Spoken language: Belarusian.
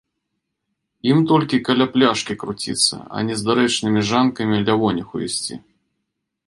Ім толькі каля пляшкі круціцца, а не з дарэчнымі жанкамі лявоніху ісці.